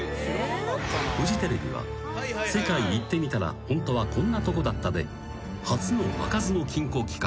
［フジテレビは『世界行ってみたらホントはこんなトコだった！？』で初の開かずの金庫企画］